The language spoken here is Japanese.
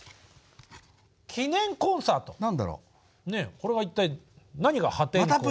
これは一体何が破天荒なのか。